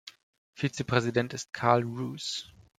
Vizepräsident ist Karl Roos.